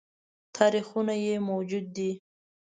تاریخونه یې موجود دي